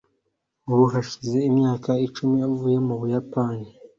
ubu hashize imyaka icumi avuye mu buyapani